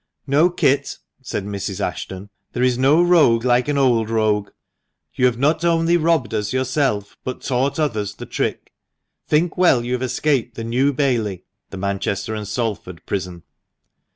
" No, Kit," said Mrs. Ashton ;"' there is no rogue like an old rogue ;' you have not only robbed us yourself, but taught others the trick. Think well you have escaped the New Bailey," (the Manchester and Salford prison).